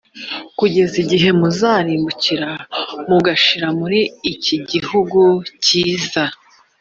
kugeza igihe muzarimbukira mugashira muri iki gihugu cyiza